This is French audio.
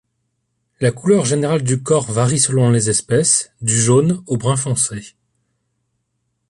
La couleur générale du corps varie selon les espèces du jaune au brun foncé.